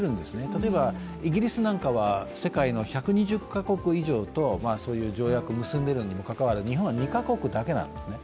例えば、イギリスなどは世界の１２０か国以上とそういう条約を結んでいるにもかかわらず日本は２カ国だけなんですね。